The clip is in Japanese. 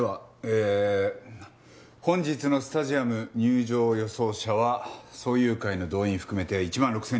本日のスタジアム入場予想者は走友会の動員含めて１万６０００人。